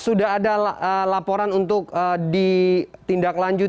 sudah ada laporan untuk ditindaklanjuti